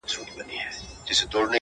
د اده سپوږمۍ د غاړي هار وچاته څه وركوي!